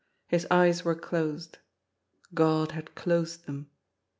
His eyes were closed. Ood had closed them.